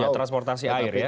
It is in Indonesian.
ya transportasi air ya